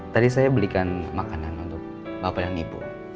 tadi saya belikan makanan untuk bapak dan ibu